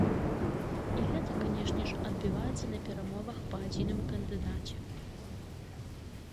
І гэта, канешне ж, адбіваецца на перамовах па адзіным кандыдаце.